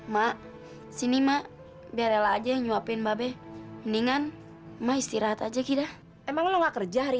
ma sini ma biarlah aja nyuapin mbah beh mendingan ma istirahat aja kita emang nggak kerja hari